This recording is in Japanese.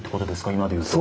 今で言うと。